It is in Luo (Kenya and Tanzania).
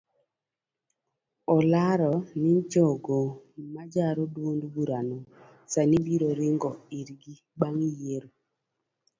Olero ni jogo majaro duond burano sani biro ringo irgi bang yiero.